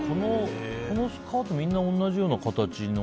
このスカートみんな同じような形の。